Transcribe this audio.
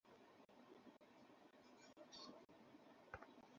আগামী মাসে ওয়েস্ট ইন্ডিজে চার টেস্টের সিরিজ দিয়ে শুরু হচ্ছে তাঁর কার্যকাল।